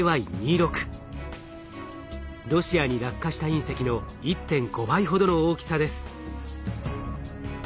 ロシアに落下した隕石の１．５倍ほどの大きさです。